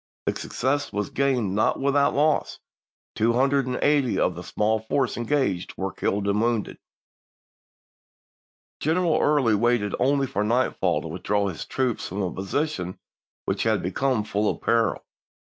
The success was gained not without loss; two hundred and eighty of the small force engaged were killed and wounded. Greneral Early waited only for nightfall to with draw his troops from a position which had become full of peril.